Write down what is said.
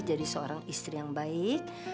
jadi seorang istri yang baik